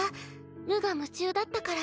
無我夢中だったから。